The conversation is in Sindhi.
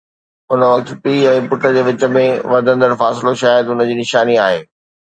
ان وقت پيءُ ۽ پٽ جي وچ ۾ وڌندڙ فاصلو شايد ان جي نشاني آهي.